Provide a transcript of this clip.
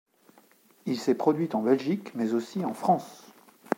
Il s'est produit en Belgique mais aussi en France.